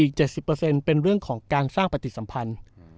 อีก๗๐เป็นเรื่องของการสร้างปฏิสัมพันธ์